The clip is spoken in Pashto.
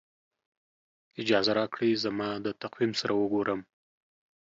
اجازه راکړئ زما د تقویم سره وګورم.